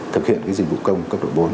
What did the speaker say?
thực hiện cái dịch vụ công cấp độ bốn